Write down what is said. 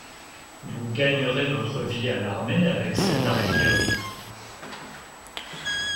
Vous gaignerez vostre vie à l’armée avecques ceste artillerie.